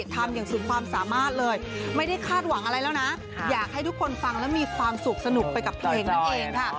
ทำอย่างสุดความสามารถเลยไม่ได้คาดหวังอะไรแล้วนะอยากให้ทุกคนฟังแล้วมีความสุขสนุกไปกับเพลงนั่นเองค่ะ